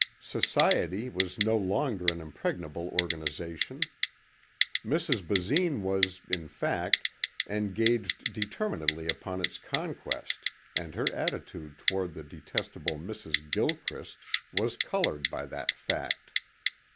Society was no longer an impregnable Organization. Mrs. Basine was, in fact, engaged determinedly upon its conquest and her attitude toward the detestable Mrs. Gilchrist was colored by that fact.